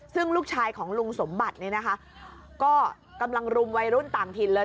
ซึ่งลูกชายของลุงสมบัติเนี่ยนะคะก็กำลังรุมวัยรุ่นต่างถิ่นเลย